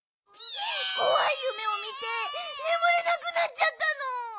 こわいゆめをみてねむれなくなっちゃったの。